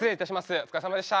お疲れさまでした。